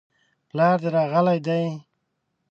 پلار دي راغلی دی؟